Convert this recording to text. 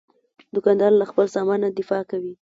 دوکاندار له خپل سامان نه دفاع کوي.